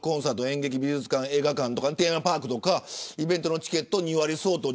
演劇、美術館、映画館とかテーマパークとかイベントのチケット２割相当